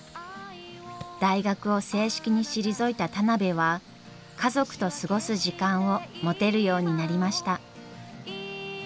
大学を正式に退いた田邊は家族と過ごす時間を持てるようになりました。